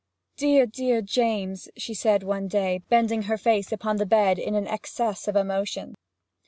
'Dear, dear James,' she said one day, bending her face upon the bed in an excess of emotion.